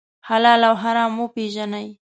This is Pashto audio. حلال او حرام وپېژنئ.